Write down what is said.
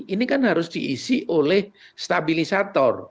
ini kan harus diisi oleh stabilisator